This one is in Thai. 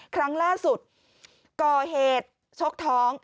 ครั้งล่าสุดก่อเหตุชกท้อง